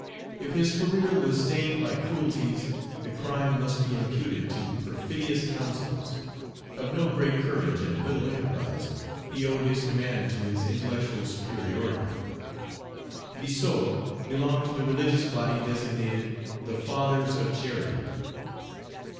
If his career was stained by cruelties, the crime must be imputed to perfidious councils. Of no great courage, and little enterprise, he owed his command to his intellectual superiority. Biassou belonged to the religious body designated "The Fathers of Charity."